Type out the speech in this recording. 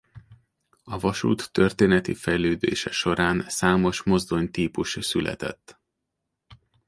A vasút történeti fejlődése során számos mozdonytípus született.